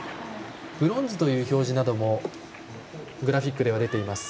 ブロンズという表示などもグラフィックでは出ています。